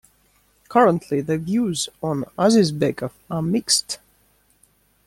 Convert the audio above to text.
Currently the views on Azizbekov are mixed.